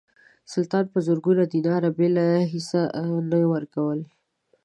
سلطان په زرګونو دیناره بېله هیڅه نه ورکول.